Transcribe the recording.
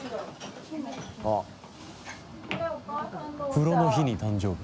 風呂の日に誕生日。